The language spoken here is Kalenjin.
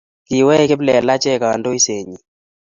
kiwech kiplelachek kandoisenyi